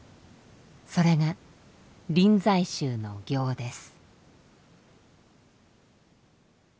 それが臨済宗の行です。